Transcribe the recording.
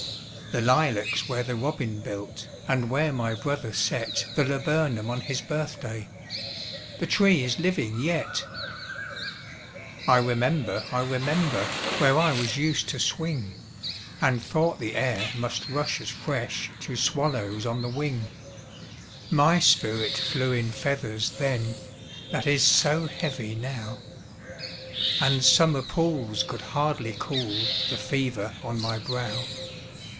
The lilacs where the robin built, And where my brother set The laburnum on his birthday, The tree is living yet! I remember, I remember, Where I was used to swing, And thought the air must rush as fresh To swallows on the wing; My spirit flew in feathers then, That is so heavy now, And summer pools could hardly cool The fever on my brow!